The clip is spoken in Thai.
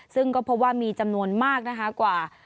ซึ่งก็พบว่ามีจำนวนมากนะคะกว่า